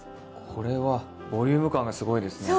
これはボリューム感がすごいですね。